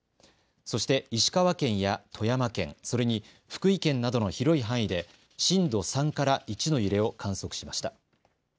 そして石川県や富山県、それに福井県などの広い範囲で震度３から１の揺れを観測しました。